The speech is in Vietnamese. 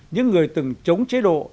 những người từng chống chế độ